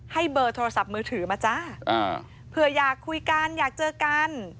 เบอร์โทรศัพท์มือถือมาจ้าเผื่ออยากคุยกันอยากเจอกัน